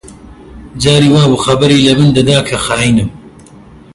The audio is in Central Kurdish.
جاری وا بوو خەبەری لە من دەدا کە خاینم